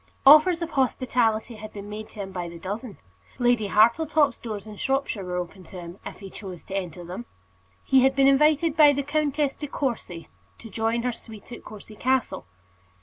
Offers of hospitality had been made to him by the dozen. Lady Hartletop's doors, in Shropshire, were open to him, if he chose to enter them. He had been invited by the Countess De Courcy to join her suite at Courcy Castle.